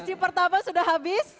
sesi pertama sudah habis